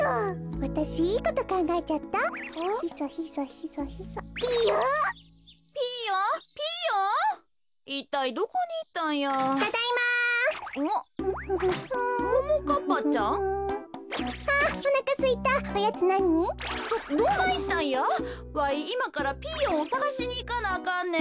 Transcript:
わいいまからピーヨンをさがしにいかなあかんねん。